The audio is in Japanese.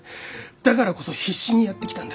だからこそ必死にやってきたんだ。